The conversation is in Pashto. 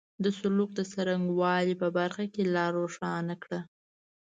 د سلوک د څرنګه والي په برخه کې لاره روښانه کړه.